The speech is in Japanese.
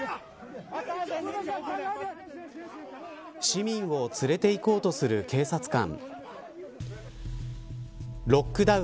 市民を連れて行こうとする警察官。